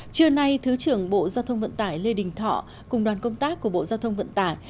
trưa nay thứ trưởng bộ giao thông vận tải lê đình thọ cùng đoàn công tác của bộ giao thông vận tải